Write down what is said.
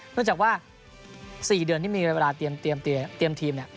นอกจากว่า๔เดือนที่มีเวลาเตรียมทีม